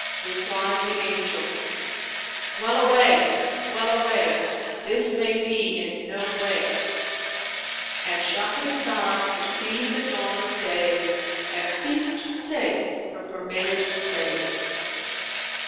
Replied the Angel, "Well away! well away! this may be in no way."—And Shahrazad perceived the dawn of day and ceased to say her permitted say.